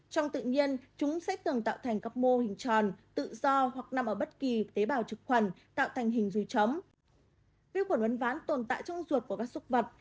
trong tự nhiên chúng sẽ tường tạo thành các mô hình tròn tự do hoặc nằm ở bất kỳ tế bào trực khuẩn tạo thành hình dùi chấm